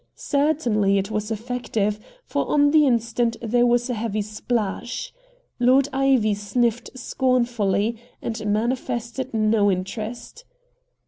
Certainly it was effective, for on the instant there was a heavy splash. Lord Ivy sniffed scornfully and manifested no interest.